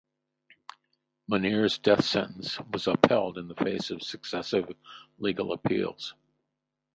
Munir's death sentence was upheld in the face of successive legal appeals.